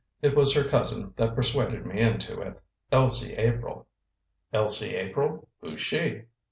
It was her cousin that persuaded me into it Elsie April." "Elsie April? Who's she?"